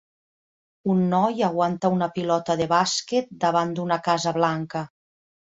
un noi aguanta una pilota de bàsquet davant d'una casa blanca